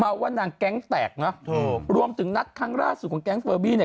ว่านางแก๊งแตกเนอะรวมถึงนัดครั้งล่าสุดของแก๊งเฟอร์บี้เนี่ย